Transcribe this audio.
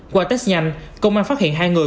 qua test nhanh công an phát hiện hai người